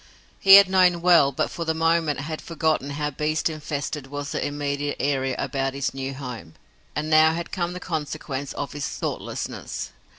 He had known well, but for the moment had forgotten how beast infested was the immediate area about his new home, and now had come the consequence of his thoughtlessness.